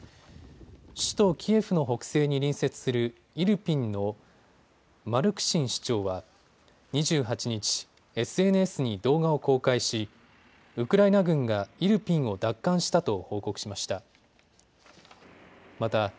首都キエフの北西に隣接するイルピンのマルクシン市長は２８日、ＳＮＳに動画を公開しウクライナ軍がイルピンを奪還したと報告しました。